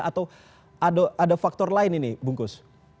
atau ada faktor lain ini bungkus